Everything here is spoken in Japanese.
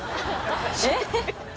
えっ？